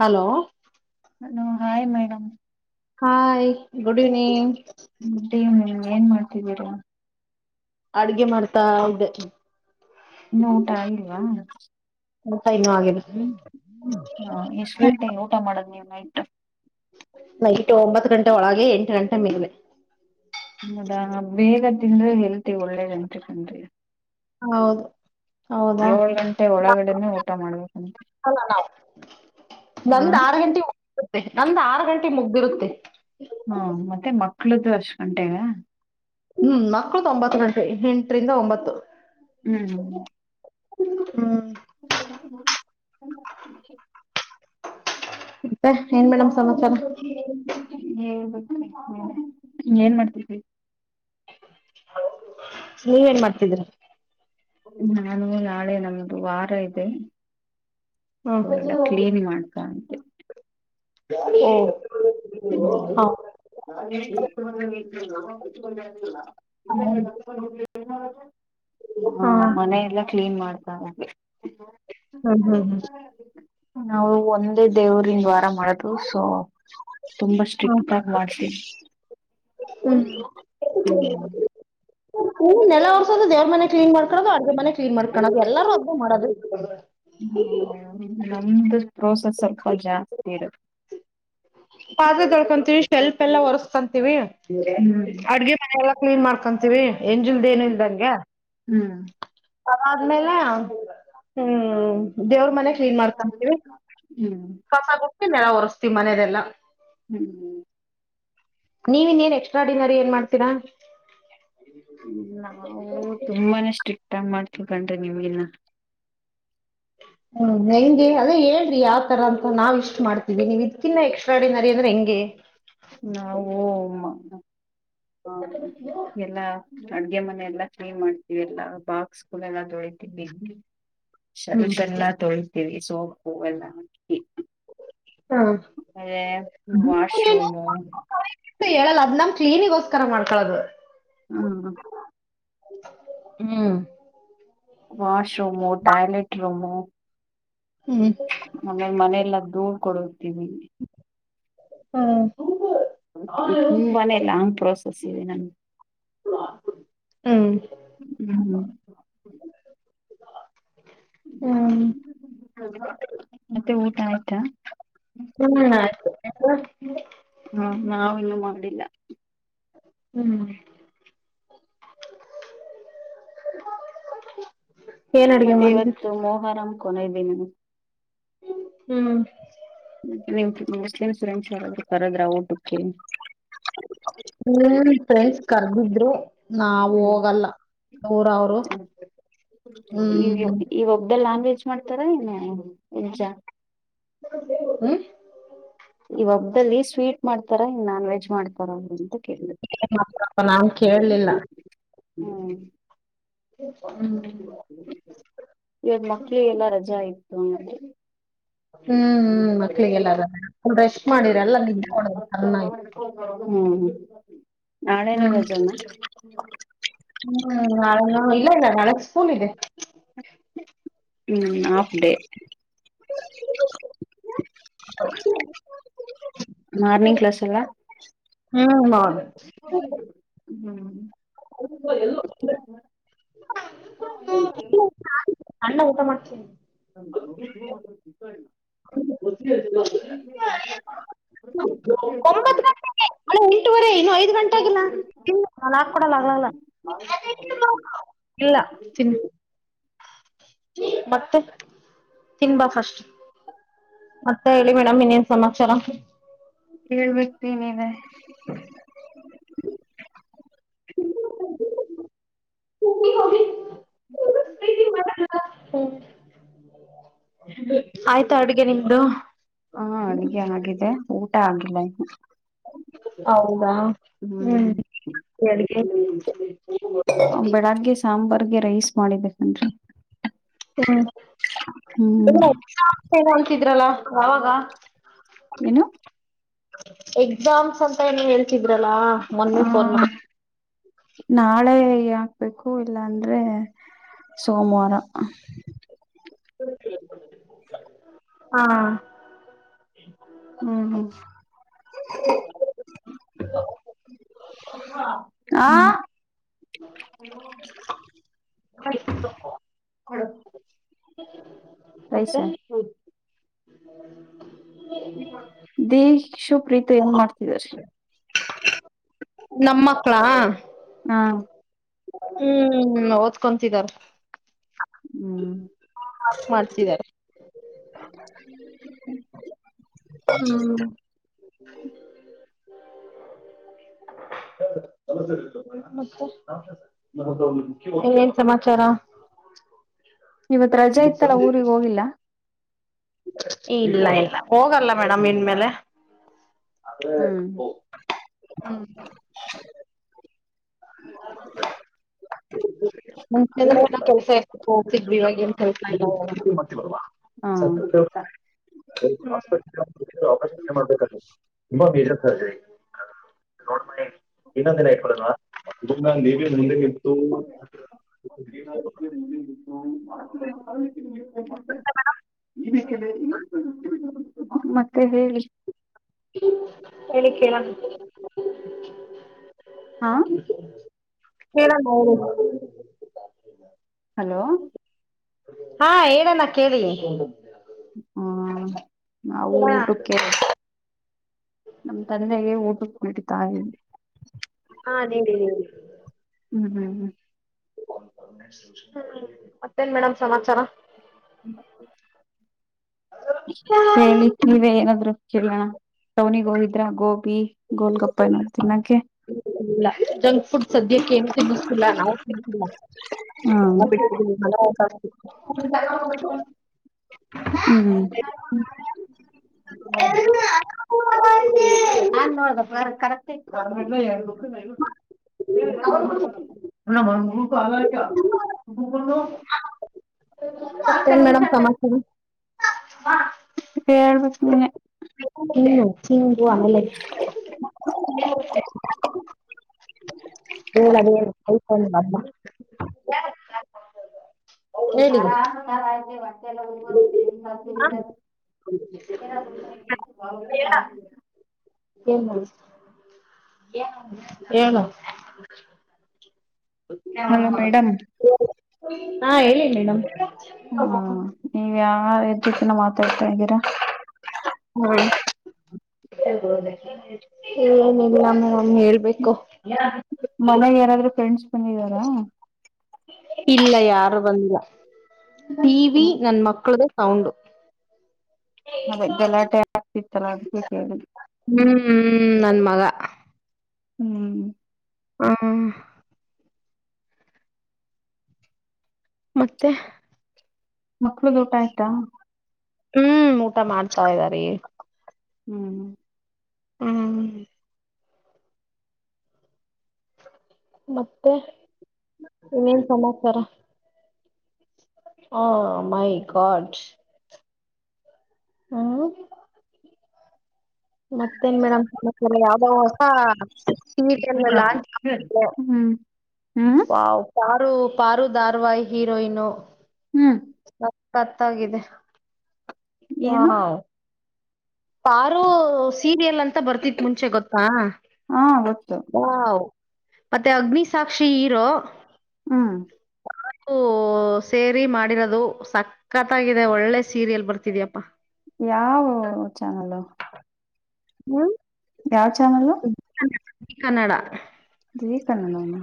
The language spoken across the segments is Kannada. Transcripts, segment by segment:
Hello hello hi madam hi good evening ಮತ್ತೆ ನೀವ್ ಏನ್ ಮಾಡ್ತಿದ್ದೀರಾ ಅಡ್ಗೆ ಮಾಡ್ತಾ ಇ್ದದೆ ಇನ್ನು ಊಟ ಆಗಲ್ವಾ ಎಂತ ಇನ್ನು ಆಗರ್ ಹ್ಮ್ ಹಾ ಎಷ್ಟ್ ಗಂಟೆ ಊಟ ಮಾಡದ್ ನೀವು್ ನೈಟ್ ನೈಟ್ ಒಂಬತ್ತು ಗಂಟೆ ಒಳಗೆ ಎಂಟು ಗಂಟೆ ಮೇಲೆ ಹದಾ ಬೇಗ ತಿಂದ್ರೆ ಹೆಲ್ತಿ ಒಳ್ಳೇದ ಅಂಟಕನ್್ರಿ ಹೌದು ಹೌದಾ ಏಳ್ ಗಂಟೆ ಒಳಗಡೆನೆ ಊಟ ಮಾಡ್ಬೇಕಂತ ನಂದ್ ಆರು ಗಂಟೆ ಮುರುತ್ತೆ ನಂದ್ ಆರು ಗಂಟೆ ಮುಗ್ದಿರುತ್ತೆ ಹ್ಮ ಮತ್ತೆ ಮಕ್ಳ್ದು ಅರ್ಷ್ ಗಂಟೆಗ ಹ್ಮ್ ಮಕ್ಳು ತೊಂಬತ್ತು ಗಂಟೆ ಎಂಟರಿಂದ ಒಂಬತ್ತು ಹ್ಮ್್ಮ ಹ್ಮ ಹ್ಮ್ [unintelligible] ಮತ್ತೆ ಏನ್ ಮೇಡಮ್ ಸಮಾಚಾರ ್ಮ ನೀ ಏನ್ ಮಾಡ್ತಿದರಿ ನೀವೇನ್ ಮಾಡ್ತಿದೀರ ನಾನು ನಾಳೆ ನಮ್ದು ವಾರ ಇದೆ ಹ್ಮ್ ಅವಲ್ಲ ಕ್ಲೀನ್ ಮಾಡ್ಕಂತೆೆ ಓ ಹೌ ೊಂಡಲ್ಲ ಹ ಹಾ ಮನೆಯ ಎಲ್ಲ ಕ್ಲೀನ್ ಮಾಡ್ತಾರೆೆ ಹ್ಮ್ ಹ್ಮ್ ನಾವು ಒಂದೇ ದೇವ್ರ್ ವಾರ ಮಾಡ ಸ ತುಂಬಾ ಸ್ಟ್ರಿಕ್ ಹ್ಮ್ ಆಗ ಮಾಡ್ತೀವಿ ಹ್ಮ್ ಹ್ಮ್. ಹ್ ನೆಲ ಒರ್ಸೋದ ದೇವ್ರು ಮನೆ ಕ್ಲನ್ ಮಾಡಕೋದು ಅಗೆ ಮನೆ ಕ್ಲೀನ್ ಮಾಡ್ಕೋದು ಎಲ್ಲಾರರು ಅದ್ದ ಮಾಡದ್ರ ಹ್ಮ ನಮ್ದು ಪ್ರೋಸೆಸ್ ಸ್ವಲ್ಪ ಜಾಸ್ತಿ ಇರುತ್ತೆ ಪಾತ್ರೆ ತೊಳ್ಕೊಂತೀವಿ ಶೆಲ್ಪ್ ಎಲ್ಲಾ ಒರೆರ್ಸ್ಕಂತೀವಿ ಹ್ಮ್. ಅಡ್ಗೆ ಮನೆಲ್ಲಾ ಕ್ಲೀನ್ ಮಾಡ್ಕೊಂತೀವಿ ಎಂಜಿಲ್ದ ಏನು ಇಲ್ದಂಗೆ ಹ್ಮ್ ಅದ್ಮೇಲೆ ಹ್ಮ್ ದೇವ್ರ ಮನೆ ಕ್ಲೀನ್ ಹ್ಮ್ [unintelligible] ಎಲ್ಲಾ ಒರಿಸಸ್ತಿವಿ ಮನೆದೆಲ್ಲ ಹ್ಮ್ ಹ್ಮ ನೀವ ಇನ್ನೇನ್ ಎಕ್ಸ್ಟ್ರಾ ಡಿನರಿ ಏನ್ ಮಾಡ್ತೀರಾ ನಾವು ತುಂಬಾನೇ ಸ್ಟ್ರಿಕ್ಟ್ ಆಗ ಮಾಡ್ತಿವಿ ಕಣ್ರೀ ನಿಮ್ಗಿನ [inaudible] ಹ್ಮ್ ಹೆಂಗೆ ಅದೇ ಹೇಳ್ರಿ ಯಾವ್ತರ ಅಂತ ನಾವ್ ಇಷ್ಟ್ ಮಾಡ್ತೀವಿ ನೀವ್ ಇದ್ಕಿನ್ನ ಎಕ್ಸ್ಟ್ರಾ ಅಡಿನ ರೀ ಅಂದ್ರೆ ಹೆಂಗೆ ನಾವು ಓ ಎಲ್ಲಾ ಅಡ್ಗೆ ಮನೆ ಎಲ್ಲಾ ಕ್ಲೀನ್ ಮಾಡ್ತೀವಿ ಎಲ್ಲ ಬಾಕ್ಸ್ಗಳೆಲ್ಲ ತೊಳಿತೀವಿ ಹ್ಮ್ ಶರ್ಷ ಎಲ್ಲಾ ತೊಳತೀವಿ ಸೋಪ್ ಹೂವೆಲ್ಲ ಹಿ ಹ ಹೆ ವಾಶ್ ರೂಮ್ ಹೇಳಲ್ಲ ಅದ್ ನಮ್ ಕ್ಲೀನಿಗೋಸ್ಕರ ಮಾಡ್ಕೊಳ್ಳದು ಹ್ಮ್ ಹ್ಮ ವಾಶ್ ರೂಮು ಟಾಯ್ಲೆಟ್ ರೂಮು ಹ್ಮ್ ಆಮೇಲೆ ಮನಲ್ಲ ನೋಡ್ ಕೊಡತೀವಿ ಹಾ ನಿಮ್ ಮನೇಲ ಪ್ರೋಸೆಸ್ ಇದೆ ನಂಗೆ ಹ್ಮ್ ಹ್ಮ್್ಮ ಹ್ಮ್ ಮತ್ತೆ ಊಟ ಆಯ್ತಾ ಹ್ಮ್ ಆಯ್ತು ಹ ನಾವು ಇನ್ನು ಮಾಡಿಲ್ಲ ಹ್ಮ್ [inaudible] ಏನ್ ಅಡ್ಗೆ ಮತ್ತೆ ಮಾಡಿದ್ರಿ ಇವತ್ತು ಮೋಹರಂ ಕಡೆ ದಿನ ಹ್ಮ್ ಮುಸ್ಲಿಂಸು ಯಾರಾದ್ರೂ ಕರದ್ರ ಊಟಕ್ಕೆ ಹ್ಮ ಫ್ರೆಂಡ್ಸ್ ಕರ್ದಿದ್ರು ನಾಾವ ಹ್ಮ್ ಹೋಗಲ್ಲ ಊರವರು ಈ ಈ ಒಬ್್ದ ಲಲ್ಯಾಂಗ್ವೇಜ್ ಮಾಡ್ತಾರ ಹೆಜಜ ಹ ಈ ಹಬ್ಬಲ್ಲಿ ಸ್ವೀಟ್ ಮಾಡ್ತಾರಾ ನಾನ್ ವೆಜ್ ಮಾಡ್ತಾರ ಕೇಳಿದೆ ಪ್ಪ ನಾನ್ ಕೇೇಳಲಿಲ್ಲ ಹ್ಮ್ ಹ್ಮ ಇವಾಗ ಮಕ್ಳು ಎಲ್ಲಾ [unintelligible] ಹ್ಮ್ ಹ್ಮ್ ಮಕ್ಳಿಗೆಲ್ಲ ರೆಸ್ಟ್ ಮಾಡಿರ ಎಲ್ಲ ನಿ ತ ಚನ್ನಾಗಿ ನಾಳನು ರಜೆ ನಾ ಹ್ಮ್ ನಾಳೆ ಇಲ್ಲ ಇಲ್ಲ ನಾಳಗ್ ಸ್ಕೂಲ್ ಇದೆ ಹ್ಮ ಹಾಫ್ ಡೇ ಹೌದು ಮಾರ್ನಿಂಗ್ ಕ್ಲಾಸ್ ಎಲ್ಲ ಹ್ಮ್ ಹೌದು ಹ್ಮ್ ಅ ಎಲ್ಲ ಹ ಹ ಅನು ಅನು ಅಣ್ಣ ಊಟ ಮಾಡ್ತೀಿ [inaudible] [inaudible] ವ ಇನ್ನು ಐದ್ ಗಂಟೆ ಆಗಲ್ಲ ಇಲ್ಲ ಅ ಹಾಕ್ ಕೊಡಲ್ಲ ಆಗ್ಲ್ಲ ಇಲ್ಲ ತಿನ್ [inaudible] ಮತ್ತೆ ತಿನ್ಬಾ ಫಸ್ಟ್ ಮತ್ತ ಹೇಳಿ ಮೇಡಮ್ ಇನ್ನೇನ್ ಸಮಾಚಾರ ಹೇಳ್ಬಿಡ್ತೀನನೆ ಅಿ ಆಯ್ತಾ ಅಡುಗೆ ನಿಮ್ದು ಹಾ ಅಡ್ಗೆ ಆಗಿದೆ ಊಟ ಆಗಿಲ್ಲ ಇ ಹೌದಾ ಹ್ಮ್ ಹೇಳ ಬೆಳಗ್ಗೆ ಸಾಂಬಾರ್ಗೆ ರೈಸ್ ಮಾಡಿದ್ದನ್ರಿ ಹ್ಮ್ ಏನು ಅಂತಿದ್ರಲ್ಲ ಯಾವಾಗ ಏನು ಎಕ್ಸಾಮ್ಸ್ ಅಂತ ಏನ ಹೇಳ್ತಿದ್ರಲ್ಲಾ ಮೊನ್ನೆ ಆ ಫೋನ್ ಮಾಡ ನಾಳೆ ಹಾಕ್ಬೇಕು ಇಲ್ಲಾಂದ್ರೆ ಸೋಮವಾರ ಹಾ ಹ್ಮ್ ಹ್ಮ್ ಆ ಹ ಪೈಸ ಹ್ಮ ದಕ್ಷ ಪ್ರೀತ ಏನ್ ಮಾಡ್ತಿದ್ದಾರೆ ನಮ್ಮಕ್ಕಳಾ ಹಾ ಹ್ಮ್ ಓದ್ಕೊಂತಿದಾರ ಹ್ಮ್ ಮಾಡ್ತಿದ್ದಾರೆ ಹ್ಮ್ ಹ ಹೌದು ಮತ್ತೆ ಏನ್ ಸಮಾಚಾರ ಇವತ್ ರಜಾ ಇತ್ತಲ್ಲ ಊಗ್ ಹೋಗಿಲ್ಲ ಇಲ್ಲ ಇಲ್ಲ ಹೋಗಲ್ಲ ಮೇಡಮ್ ಇನ್ಮೇಲೆ ಅ್ರ ಹ್ಮ್ ಓ ಹ ಹ ಮುಂಚೆ ಅಂದ್ರೆ ಕೆಲ್ಸ ಎತಿದವಿ ಇವಾಗ ಏನ್ ಕೆಲ್ಸ ಇಲ್ಲ ಹಾ ಬೇಕ ತುಂಬಾ ಬೇಜ ಸ ಸರಿ ನೋಡ ಮಿ ಇನ್ನೊಂದಿನ ಇಡ ನ್ನ ನೀವೇ ಮುಂದೆ ನಿಂತು ಆರೋಗ ಮತ್ತೆಿಕ ಈ ಮತ್ತೆ ಹೇಳಿ ಹೇಳಿ ಕೇಳ ಹಾ ಹೇಳ ಹಲೋ ಹಾ ಹೇಳಣ ಕೇಳಿ ಹ್ಮ ನಾವು ಕೇಳಣ. ಊಟಕ್ಕೆ ನಮ ತಂದೆಗೆ ಊಟಕ್ಕೆ ಕುಟ್ಟಿತಾಯಿ ಹಾ ನೀಡಿ ನೀಡಿ ಹ್ಮ್ ಹ್ಮ್ ಮತ್ತೇನ್ ಮೇಡಮ್ ಸಮಾಚಾರ ನ ಹೇಳಿ ನೀವೇ ಏನಾದ್ರು ಕೇಳೋಣ ಸವನಿ ಗೋ ಇದ್ರ ಗೋಬಿ ಗೋಲ್ಗೊಪ್ಪ ಏನೋಿನಕ್ಕೆ ಇಲ್ಲ ಜಂಕ್ ಫುಡ್ ಸದ್ಯಕ್ಕೆ ಏನು ತಿನ್ನಸ್ಕಿಲ್ಲ ನಾವು ತಿಿಲ್ಲ ಹ್ಮ್ ಹ ಹಂಟಲ್ಲ ನಾನ್ ನೋಡ್ದ ಕರೆಕ್ ಹ ಬಲಟ ಬ ತ ನಟ ನೀನೆ ಹಮ್ ಹೀನ್ವಾನಲ್ಲೇ ಹೇಳದ ಹೇಳ ಸಾರ ಆಾಮಾರೆಲ್ಲ ಏ ಏ ನು ಹಾ ಹಲೋ ಮೇಡಮ್ ಹೇಳಿ ಮೇಡಮ ಹ್ಮ ನೀವ ಯಾವ ವದ್ಯಕ್ಕಿನ ಮಾತಾಡ್ತಾ್ದೀರಾ ಹ್ಮ ಏಏನಿಲ್ಲಾಮ ನಮ್ಮ ಹೇಳ್ಬೇಕು ಮನಾಗ ಯಾರಾದ್ರೂ ಫ್ರೆಂಡ್ಸ್ ಬಂದಿದಾರಾ ಇಲ್ಲ ಯಾರು ಬಂದ ಈವಿ ನನ್ ಮಕ್ಳ್ದ ಸೌಂಡು ಅದೇ ಗಲಾಟೆ ಆಗ್ತಿತ್ತಲ್ಲ ಅದಕ್ಕೆ ಕೇಳಿದೆ ಹ್ಮ್ ಹ ನನ್ ಮಗ ಹ್ಮ್ ಹಾ ಮತ್ತೆ ಮಕ್ಳು ದೋಟ ಆಯ್ತಾ ಹ್ಮ್ ಊಟ ಮಾಡ್ತಾ ಇದ್ದಾರಿೀ ಹ್ಮ್ ಹ್ಮ ಹ್ಮ್ ಮತ್ತೆ ಇನ್ನೇನ್ ಸಮಾಚಾರ ಹ ಮೈ ಗಡ್ ಹ್ಮ ಮತ್ತೇನ್ ಮೇಡ್ ಯಾವ್ದೋ ಹೊಸ ಟಿವಿ ಚಾನೆಲ್ ಹ್ಮ್ ಹ್ಮ್ ವ ಪಾರು ಪಾರು ದಾರ್ವಾಾಯ್ ಹೀರೋಯನು ಹ್ಮ್ ಕತ್ತಾಗಿದೆ ಏನು ಹಾ ಪಾರು ಸೀರಿಯಲ್ ಅಂತ ಬರ್ತಿತ್ ಮುಂಚೆ ಗೊತ್ತಾ ಹಾ ಗೊತ್ತು ಮತ್ತೆ ಅಗ್ನಿಿಸಾಕ್ಷಿ ಹರೋ ಹ್ಮ ಅೂ ಸೇರಿ ಮಾಡಿರೋದು ಸಕ್ಕತ್ತಾಗಿದೆ ಒಳ್ಳೆ ಸೀರಿಯಲ್ ಬರ್ತಿದ್ಯಪ್ಪಾ ಯಾವ ಚಾನಲ್ ಹ್ಮ್ ಯಾವ ಚಾನಲ್ ಕನ್ನಡ ಜೀ ಕನ್ನಡ ನಾ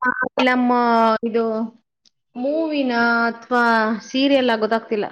ಪ್ರಾಬ್ಲಮ್ಮೂ ಇದು ಮೂವಿನಾ ಅಥ್ವಾ ಸೀರಿಯಲ್ಲಾ ಗೊತ್ತಾಗ್ತಿಲ್ಲ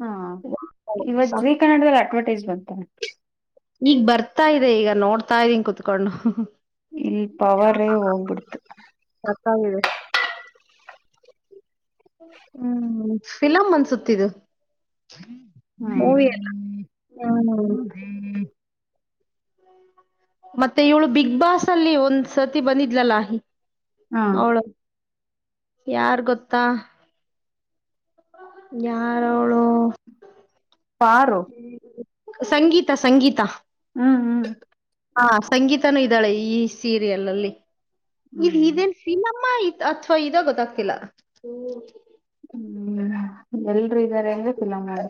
ಹಾ ವಾವ್, ಸಖತ್ ಇವತ್ ಜೀ ಕನ್ನಡದಲ್ಲಿ ಅಡ್ವರ್ಟೈಸ್ ಬಂತು ಈಗ್ ಬರ್ತಾ ಇದೆ ಈಗ ನೋಡ್ತಾ ಇದೀನ್ ಕುತ್ಕೊಂಡು ಇಲ್ ಪವರ್ರೇ ಹೋಗ್ಬಿಡ್ತು [unintelligible] ಹ್ಮ್ ಫಿಲಮ್ ಅನ್ಸುತ್ತಿದು ಮೂವಿ ಅಲ್ಲ ಹ್ಮ್ ಹ್ಮ ಮತ್ತೆ ಇವಳು ಬಿಗ್ ಬಾಸ್ ಅಲ್ಲಿ ಒಂದ್ ಸತಿ ಬಂದಿದ್ಲಲ್ಲಾ ಹಾ ಅವಳು ಯಾರ್ ಗೊತ್ತಾ ಹ ಹ್ಮ್ ಸಂಗೀತ ಸಂಗೀತ ಹ್ಮ್ ಹ್ಮ್ ಹಾ ಸಂಗೀತನೂ ಇದ್ದಾಳೆ ಈ ಸೀರಿಯಲ್ ಅಲ್ಲಿ ಇದು ಹ್ಮ್ ಇದೇನ್ ಸಿನಮ್ಮಾ ಅಥ್ವಾ ಇದಾ ಗೊತ್ತಾಗ್ತಿಲ್ಲ ಹ್ಮ್ ಎಲ್ರೂ ಇದ್ದಾರೆ ಅಂದ್ರೆ ಫಿಲಂ ನೋಡ